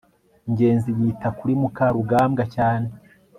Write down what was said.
ngenzi yita kuri mukarugambwa cyane